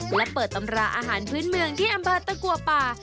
และเปิดตำราอาหารพื้นเมืองที่อำเภอตะกัวป่า